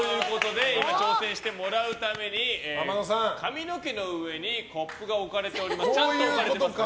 挑戦してもらうために髪の毛の上にコップが置かれております。